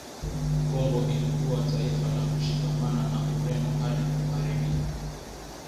Kongo ilikuwa taifa la kushikamana na Ureno hadi kuharibika